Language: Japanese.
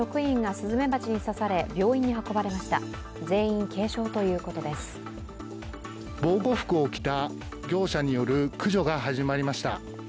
防護服を着た業者による駆除が始まりました。